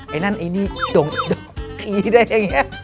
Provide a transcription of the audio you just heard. ไอ้นั่นไอ้นี่โด่งโด่งพีด้วยอย่างนี้